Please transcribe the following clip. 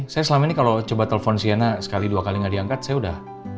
saya selama ini kalau coba telpon siana sekali dua kali gak diangkat saya udah